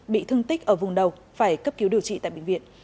bị thương tích ở vùng đầu phải cấp cứu điều trị tại bệnh viện